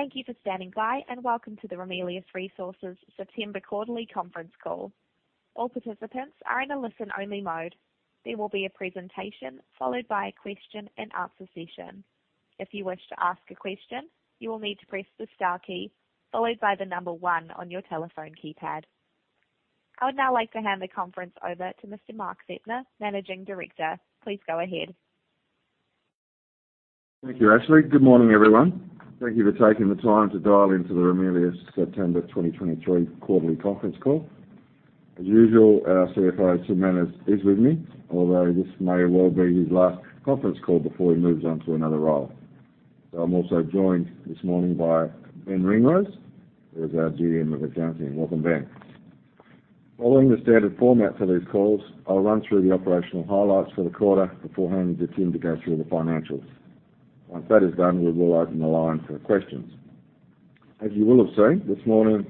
Thank you for standing by, and welcome to the Ramelius Resources September quarterly conference call. All participants are in a listen-only mode. There will be a presentation followed by a question-and-answer session. If you wish to ask a question, you will need to press the star key followed by the number one on your telephone keypad. I would now like to hand the conference over to Mr. Mark Zeptner, Managing Director. Please go ahead. Thank you, Ashley. Good morning, everyone. Thank you for taking the time to dial into the Ramelius September 2023 quarterly conference call. As usual, our CFO, Tim Manners, is with me, although this may well be his last conference call before he moves on to another role. I'm also joined this morning by Ben Ringrose, who is our GM of Accounting. Welcome, Ben. Following the standard format for these calls, I'll run through the operational highlights for the quarter before handing the team to go through the financials. Once that is done, we will open the line for questions. As you will have seen, this morning,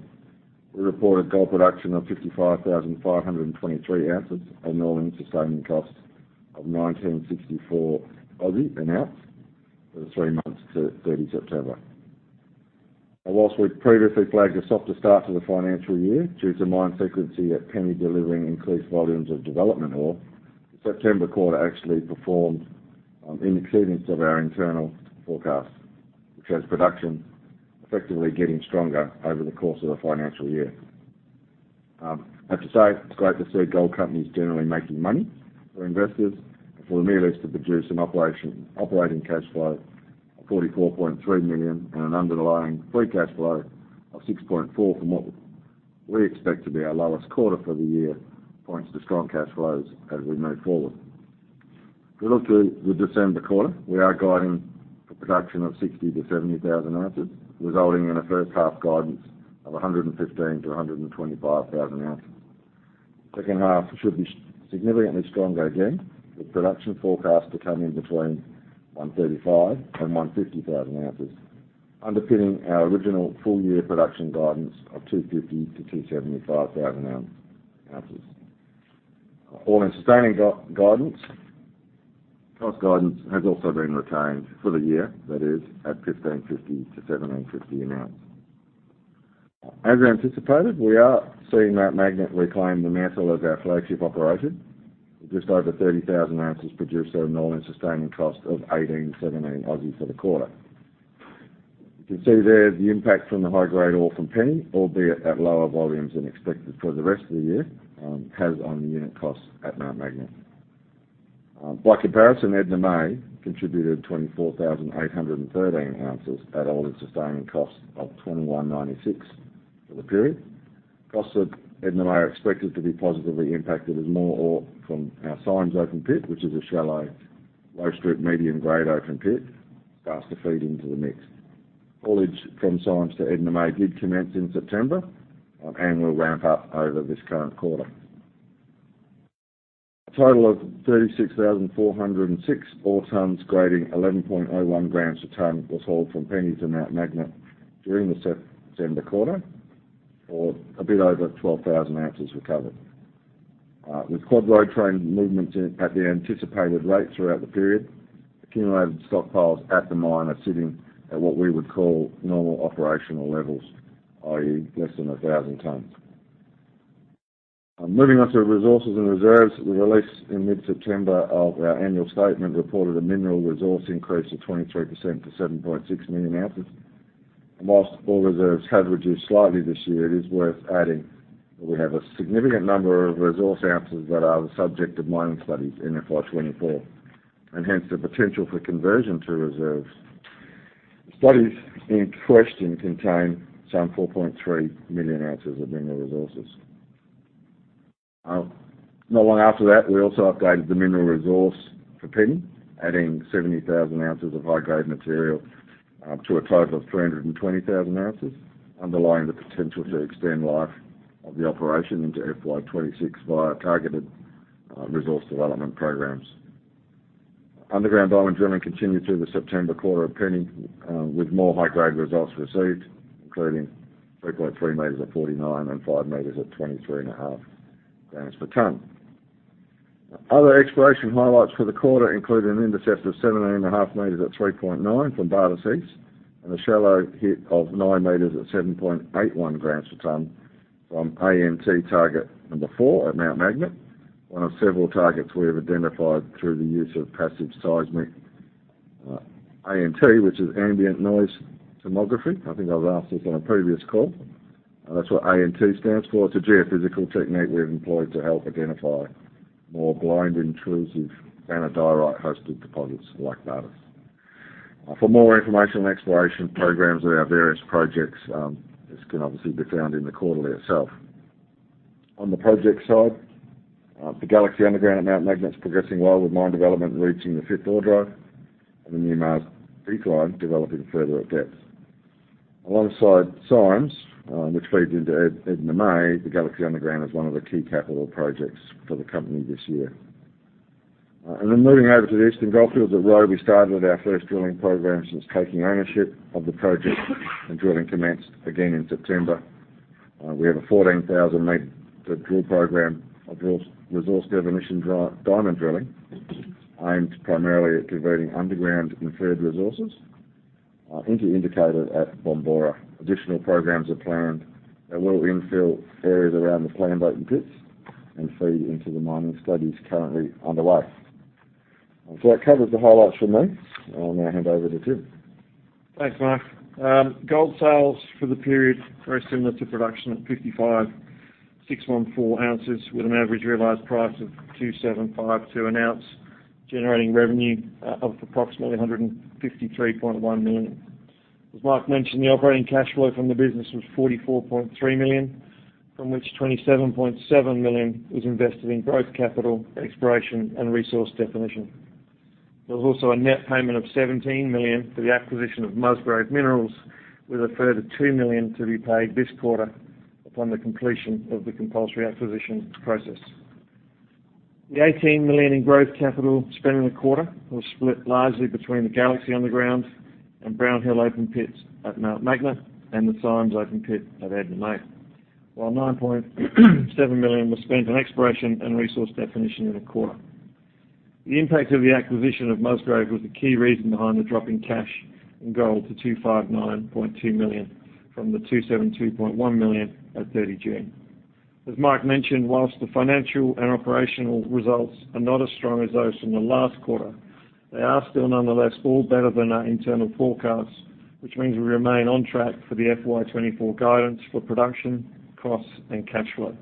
we reported gold production of 55,523 oz at an all-in sustaining cost of 1,964 an ounce for the three months to 30 September. Whilst we've previously flagged a softer start to the financial year due to mine sequence at Penny delivering increased volumes of development ore, the September quarter actually performed in accordance with our internal forecast, which has production effectively getting stronger over the course of the financial year. I have to say, it's great to see gold companies generally making money for investors, and for Ramelius to produce an operating cash flow of 44.3 million and an underlying free cash flow of 6.4 million from what we expect to be our lowest quarter for the year points to strong cash flows as we move forward. If we look to the December quarter, we are guiding for production of 60,000-70,000 oz, resulting in a first half guidance of 115,000-125,000 oz. Second half should be significantly stronger again, with production forecast to come in between 135,000 and 150,000 oz, underpinning our original full-year production guidance of 250,000-275,000 oz. All-in sustaining guidance. Cost guidance has also been retained for the year, that is, at 1,550-1,750 an ounce. As anticipated, we are seeing Mount Magnet reclaim the mantle as our flagship operation. Just over 30,000 oz produced at an all-in sustaining cost of 1,817 for the quarter. You can see there the impact from the high-grade ore from Penny, albeit at lower volumes than expected for the rest of the year, has on the unit costs at Mount Magnet. By comparison, Edna May contributed 24,813 oz at all-in sustaining costs of 2,196 for the period. Costs at Edna May are expected to be positively impacted as more ore from our Symes open pit, which is a shallow, low-strip, medium-grade open pit, starts to feed into the mix. Haulage from Symes to Edna May did commence in September, and will ramp up over this current quarter. A total of 36,406 ore tonnes, grading 11.01 grams per tonne, was hauled from Penny to Mount Magnet during the September quarter, or a bit over 12,000 oz recovered. With quad road train movements at the anticipated rate throughout the period, accumulated stockpiles at the mine are sitting at what we would call normal operational levels, i.e., less than 1,000 tonnes. Moving on to resources and reserves. We released in mid-September our annual statement, reported a Mineral Resource increase of 23% to 7.6 million oz. While all reserves have reduced slightly this year, it is worth adding that we have a significant number of Resource ounces that are the subject of mining studies in FY 2024, and hence the potential for conversion to reserves. Studies in question contain some 4.3 million oz of Mineral Resources. Not long after that, we also updated the Mineral Resource for Penny, adding 70,000 oz of high-grade material to a total of 320,000 oz, underlying the potential to extend life of the operation into FY 2026 via targeted resource development programs. Underground diamond drilling continued through the September quarter of Penny, with more high-grade results received, including 3.3 m at 49 and 5 m at 23.5 g per ton. Other exploration highlights for the quarter include an intercept of 17.5 m at 3.9 from Bartus East, and a shallow hit of 9 m at 7.81 g per ton from AMT Target number 4 at Mount Magnet, one of several targets we have identified through the use of passive seismic, AMT, which is ambient noise tomography. I think I've asked this on a previous call. That's what AMT stands for. It's a geophysical technique we've employed to help identify more blind, intrusive, and a diorite-hosted deposits like Bartus. For more information on exploration programs with our various projects, this can obviously be found in the quarterly itself. On the project side, the Galaxy Underground at Mount Magnet is progressing well, with mine development reaching the fifth ore drive and the new Mars decline, developing further at depth. Alongside Symes, which feeds into Edna May, the Galaxy Underground is one of the key capital projects for the company this year. And then moving over to the Eastern Goldfields at Roe, we started our first drilling program since taking ownership of the project, and drilling commenced again in September. We have a 14,000-m drill program of resource definition diamond drilling, aimed primarily at converting underground inferred resources into indicated at Bombora. Additional programs are planned that will infill areas around the planned open pits and feed into the mining studies currently underway. So that covers the highlights for me. I'll now hand over to Tim. Thanks, Mark. Gold sales for the period, very similar to production at 55,614 oz, with an average realized price of 2,752 an ounce, generating revenue of approximately 153.1 million. As Mark mentioned, the operating cash flow from the business was 44.3 million, from which 27.7 million was invested in growth, capital, exploration, and resource definition. There was also a net payment of 17 million for the acquisition of Musgrave Minerals, with a further 2 million to be paid this quarter upon the completion of the compulsory acquisition process. The 18 million in growth capital spent in the quarter was split largely between the Galaxy Underground and Brown Hill open pits at Mount Magnet, and the Symes open pit at Edna May. While 9.7 million was spent on exploration and resource definition in the quarter. The impact of the acquisition of Musgrave was the key reason behind the drop in cash and gold to 259.2 million, from the 272.1 million at 30 June. As Mark mentioned, while the financial and operational results are not as strong as those from the last quarter, they are still nonetheless, all better than our internal forecasts, which means we remain on track for the FY 2024 guidance for production, costs, and cash flow.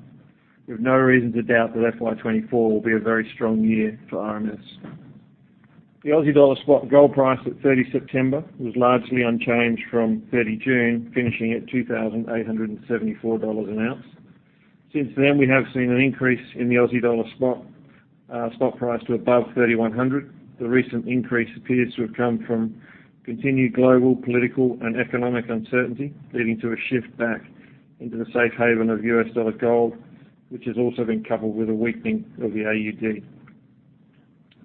We have no reason to doubt that FY 2024 will be a very strong year for RMS. The Aussie dollar spot gold price at 30 September was largely unchanged from 30 June, finishing at 2,874 dollars an ounce. Since then, we have seen an increase in the Aussie dollar spot, spot price to above 3,100. The recent increase appears to have come from continued global, political, and economic uncertainty, leading to a shift back into the safe haven of US dollar gold, which has also been coupled with a weakening of the AUD.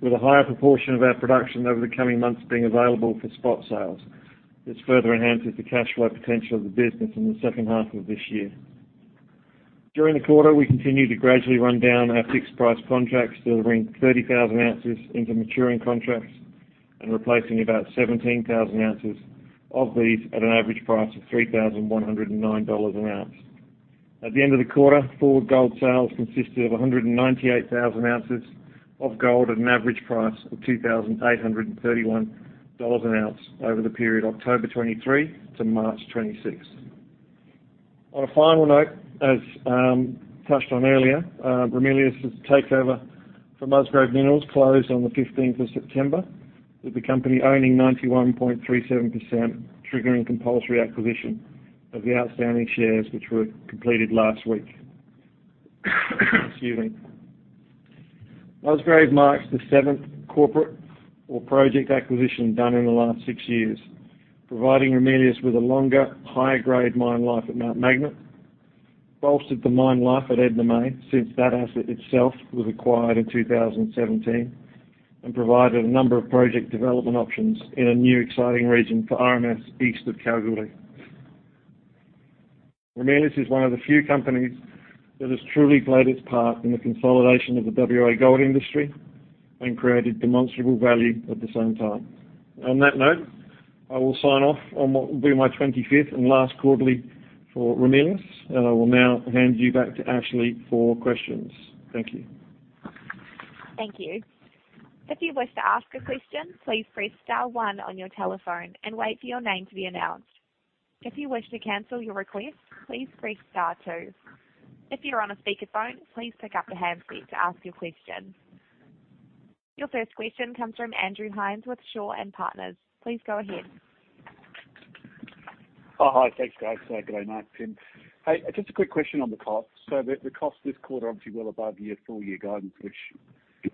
With a higher proportion of our production over the coming months being available for spot sales, this further enhances the cash flow potential of the business in the second half of this year. During the quarter, we continued to gradually run down our fixed-price contracts, delivering 30,000 oz into maturing contracts and replacing about 17,000 oz of these at an average price of $3,109 an ounce. At the end of the quarter, forward gold sales consisted of 198,000 oz of gold at an average price of $2,831 an ounce over the period October 2023 to March 2026. On a final note, as touched on earlier, Ramelius's takeover for Musgrave Minerals closed on the fifteenth of September, with the company owning 91.37%, triggering compulsory acquisition of the outstanding shares, which were completed last week, excuse me. Musgrave marks the seventh corporate or project acquisition done in the last six years, providing Ramelius with a longer, higher-grade mine life at Mount Magnet, bolstered the mine life at Edna May, since that asset itself was acquired in 2017, and provided a number of project development options in a new exciting region for RMS east of Kalgoorlie. Ramelius is one of the few companies that has truly played its part in the consolidation of the WA gold industry and created demonstrable value at the same time. On that note, I will sign off on what will be my 25th and last quarterly for Ramelius, and I will now hand you back to Ashley for questions. Thank you. Thank you. If you wish to ask a question, please press star one on your telephone and wait for your name to be announced. If you wish to cancel your request, please press star two. If you're on a speakerphone, please pick up the handset to ask your question. Your first question comes from Andrew Hines with Shaw and Partners. Please go ahead. Oh, hi. Thanks, guys. Good day, Mark, Tim. Hey, just a quick question on the cost. So the cost this quarter, obviously, well above your full-year guidance, which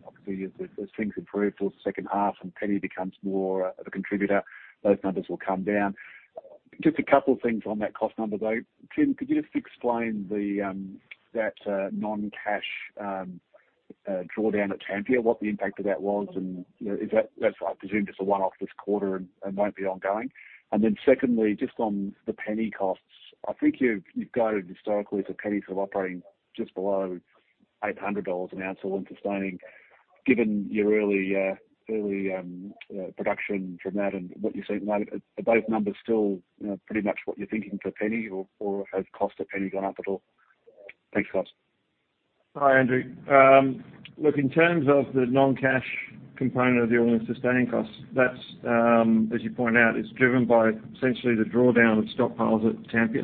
obviously as things improve through the second half and Penny becomes more of a contributor, those numbers will come down. Just a couple of things on that cost number, though. Tim, could you just explain the non-cash drawdown at Tampia, what the impact of that was? And, you know, is that- that's what I presume, just a one-off this quarter and won't be ongoing. And then secondly, just on the Penny costs, I think you've guided historically for Penny sort of operating just below 800 dollars an ounce, all-in sustaining. Given your early production from that and what you've seen, are those numbers still, you know, pretty much what you're thinking for Penny, or has cost of Penny gone up at all? Thanks, guys. Hi, Andrew. Look, in terms of the non-cash component of the all-in sustaining costs, that's, as you point out, is driven by essentially the drawdown of stockpiles at Tampia.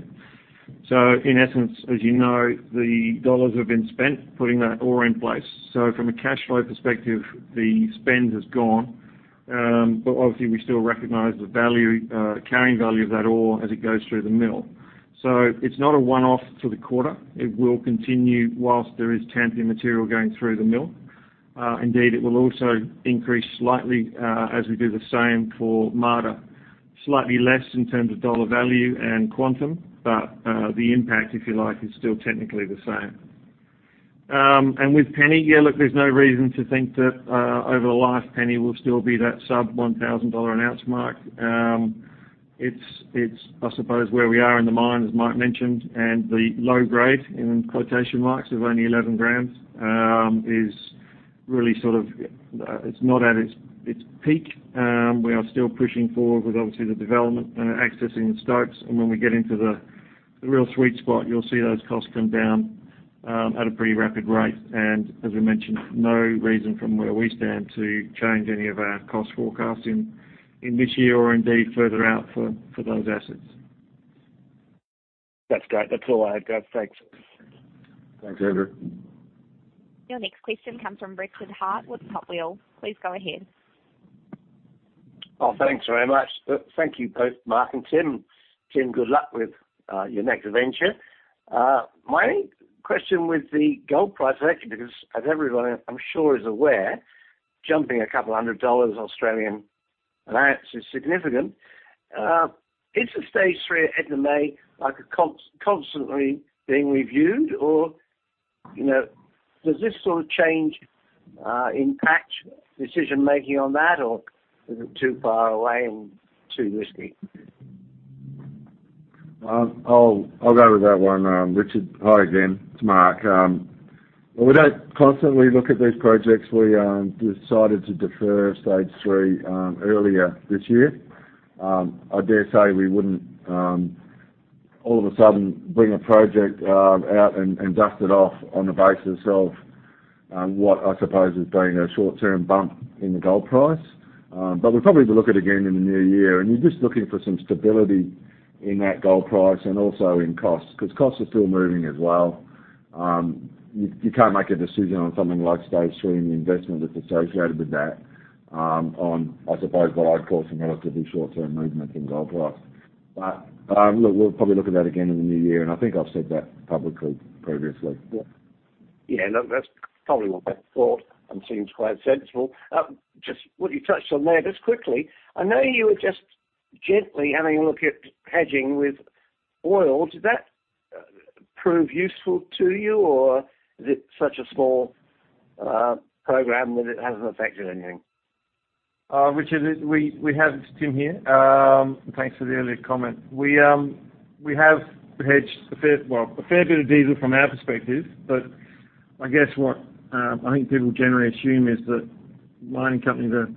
So in essence, as you know, the dollars have been spent putting that ore in place. So from a cash flow perspective, the spend is gone. But obviously, we still recognize the value, the carrying value of that ore as it goes through the mill. So it's not a one-off for the quarter. It will continue while there is Tampia material going through the mill. Indeed, it will also increase slightly, as we do the same for Marda. Slightly less in terms of dollar value and quantum, but the impact, if you like, is still technically the same.... And with Penny, yeah, look, there's no reason to think that, over the life, Penny will still be that sub $1,000 an ounce mark. It's, I suppose, where we are in the mine, as Mike mentioned, and the low grade, in quotation marks, of only 11 grams, is really sort of, it's not at its peak. We are still pushing forward with obviously the development and accessing the stopes. And when we get into the real sweet spot, you'll see those costs come down, at a pretty rapid rate. And as we mentioned, no reason from where we stand to change any of our cost forecasts in this year or indeed further out for those assets. That's great. That's all I have, guys. Thanks. Thanks, Andrew. Your next question comes from Richard Hart with Tocqueville. Please go ahead. Oh, thanks very much. Thank you both, Mark and Tim. Tim, good luck with your next venture. My question with the gold price, actually, because as everyone I'm sure is aware, jumping a couple of hundred AUD an ounce is significant. Is the Stage 3 at Edna May, like, constantly being reviewed? Or, you know, does this sort of change impact decision making on that, or is it too far away and too risky? I'll go with that one, Richard. Hi again, it's Mark. Well, we don't constantly look at these projects. We decided to defer Stage Three earlier this year. I dare say we wouldn't all of a sudden bring a project out and dust it off on the basis of what I suppose has been a short-term bump in the gold price. But we'll probably look at it again in the new year, and we're just looking for some stability in that gold price and also in costs, because costs are still moving as well. You can't make a decision on something like Stage Three and the investment that's associated with that on what I'd call some relatively short-term movement in gold price. Look, we'll probably look at that again in the new year, and I think I've said that publicly previously. Yeah, no, that's probably what I thought and seems quite sensible. Just what you touched on there, just quickly, I know you were just gently having a look at hedging with oil. Did that prove useful to you, or is it such a small program that it hasn't affected anything? Richard, we have Tim here. Thanks for the earlier comment. We have hedged a fair, well, a fair bit of diesel from our perspective. I guess what I think people generally assume is that mining companies are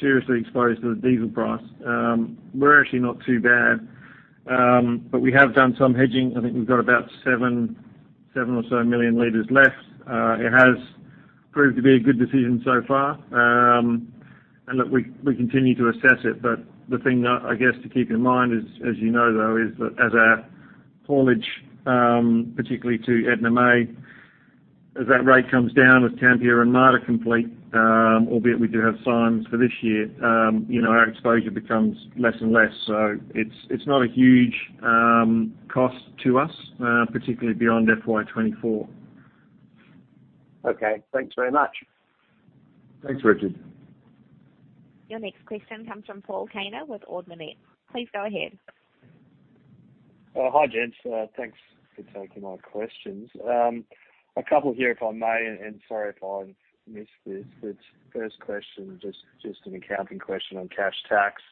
seriously exposed to the diesel price. We're actually not too bad. We have done some hedging. I think we've got about 7, 7 or so million liters left. It has proved to be a good decision so far. We continue to assess it, but the thing that I guess to keep in mind is, as you know, as our haulage, particularly to Edna May, as that rate comes down, with Tampia and Marda complete, albeit we do have Symes for this year, our exposure becomes less and less. It's not a huge cost to us, particularly beyond FY 2024. Okay, thanks very much. Thanks, Richard. Your next question comes from Paul Kaner with Ord Minnett. Please go ahead. Hi, gents. Thanks for taking my questions. A couple here, if I may, and sorry if I missed this, but first question, just an accounting question on cash tax.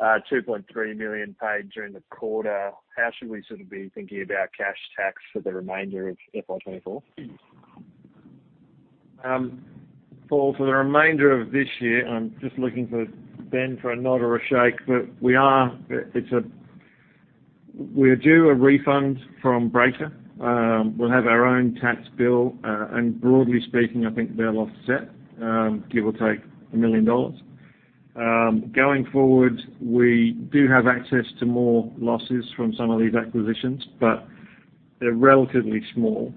2.3 million paid during the quarter. How should we sort of be thinking about cash tax for the remainder of FY 2024? Paul, for the remainder of this year, I'm just looking for Ben for a nod or a shake, but we're due a refund from Breaker. We'll have our own tax bill, and broadly speaking, I think they'll offset, give or take 1 million dollars. Going forward, we do have access to more losses from some of these acquisitions, but they're relatively small.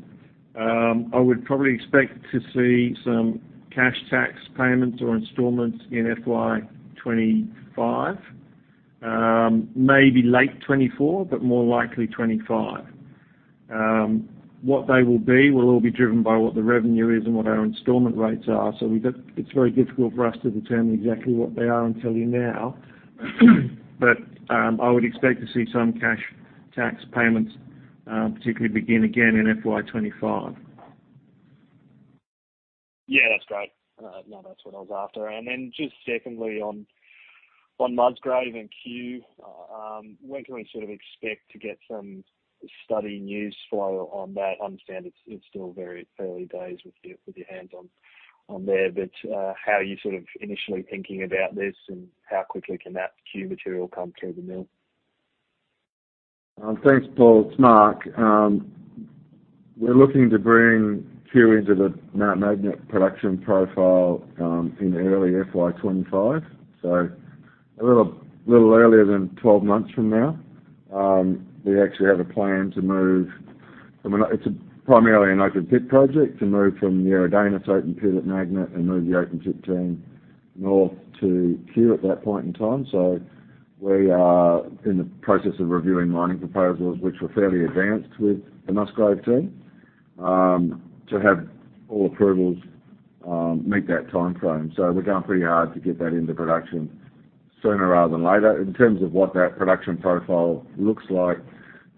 I would probably expect to see some cash tax payments or installments in FY 2025, maybe late 2024, but more likely 2025. What they will be will all be driven by what the revenue is and what our installment rates are. It's very difficult for us to determine exactly what they are and tell you now, but I would expect to see some cash tax payments, particularly begin again in FY 2025. Yeah, that's great. No, that's what I was after. And then just secondly, on Musgrave and Cue, when can we sort of expect to get some study news flow on that? I understand it's still very early days with your hands on there, but how are you sort of initially thinking about this, and how quickly can that Cue material come through the mill? Thanks, Paul. It's Mark. We're looking to bring Cue into the Mount Magnet production profile in early FY 2025, so a little earlier than 12 months from now. We actually have a plan to move. I mean, it's primarily an open pit project to move from the Eridanus open pit at Magnet and move the open pit team north to Cue at that point in time. So we are in the process of reviewing mining proposals, which were fairly advanced with the Musgrave team, to have all approvals meet that timeframe. So we're going pretty hard to get that into production sooner rather than later. In terms of what that production profile looks like,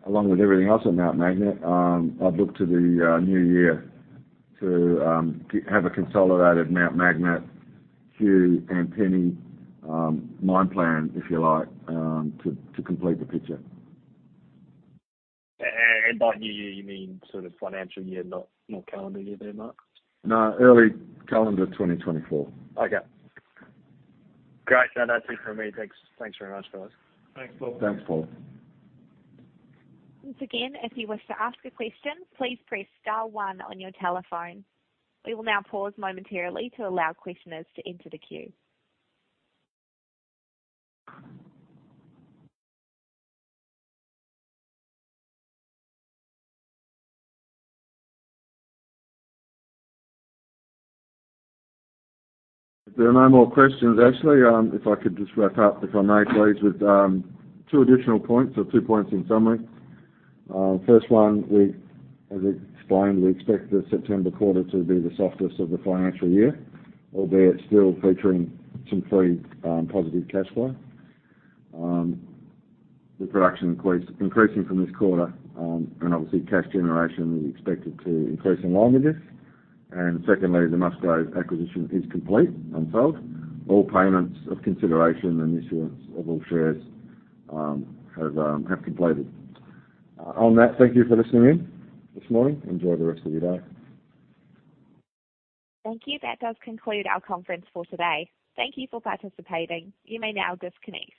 along with everything else at Mount Magnet, I'd look to the new year to have a consolidated Mount Magnet, Cue, and Penny mine plan, if you like, to complete the picture. And by new year, you mean sort of financial year, not, not calendar year there, Mark? No, early calendar 2024. Okay. Great. So that's it for me. Thanks, thanks very much, fellas. Thanks, Paul. Thanks, Paul. Once again, if you wish to ask a question, please press star one on your telephone. We will now pause momentarily to allow questioners to enter the queue. If there are no more questions, actually, if I could just wrap up, if I may please, with two additional points or two points in summary. First one, we, as explained, we expect the September quarter to be the softest of the financial year, albeit still featuring some free, positive cash flow. The production increasing from this quarter, and obviously cash generation is expected to increase along with this. Secondly, the Musgrave acquisition is complete and sold. All payments of consideration and issuance of all shares have completed. On that, thank you for listening in this morning. Enjoy the rest of your day. Thank you. That does conclude our conference for today. Thank you for participating. You may now disconnect.